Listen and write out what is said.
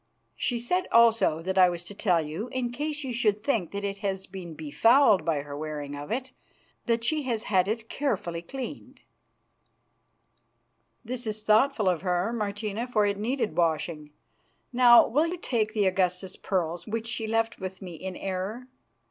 "She said also that I was to tell you, in case you should think that it has been befouled by her wearing of it, that she has had it carefully cleaned." "That is thoughtful of her, Martina, for it needed washing. Now, will you take the Augusta's pearls, which she left with me in error?"